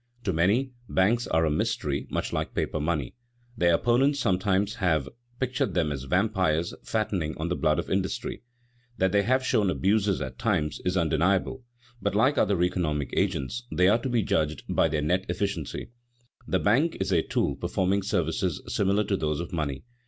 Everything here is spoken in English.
To many, banks are a mystery much like paper money. Their opponents sometimes have pictured them as vampires fattening on the blood of industry. That they have shown abuses at times is undeniable, but, like other economic agents, they are to be judged by their net efficiency. The bank is a tool performing services similar to those of money.